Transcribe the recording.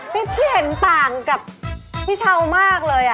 นี่พี่เห็นต่างกับพี่ชาวมากเลย